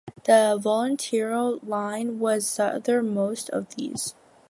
The Volturno Line was the southernmost of these.